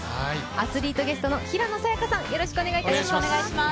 アスリートゲストの平野早矢香さんよろしくお願いします。